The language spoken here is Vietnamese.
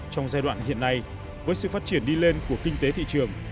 trong giai đoạn hiện nay với sự phát triển đi lên của kinh tế thị trường